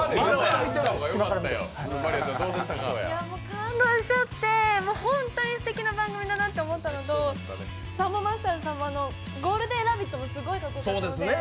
感動しちゃって、本当にすてきな番組だなと思ったのとサンボマスターさんの「ゴールデンラヴィット！」もすごかったので。